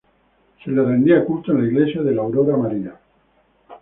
Se le rendía culto en la Iglesia de la Aurora María.